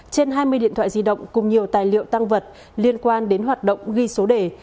trên hai mươi điện thoại di động cùng nhiều tài liệu tăng vật liên quan đến hoạt động ghi số đề